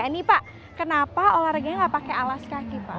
ini pak kenapa olahraga yang tidak pakai alas kaki pak